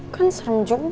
kan serem juga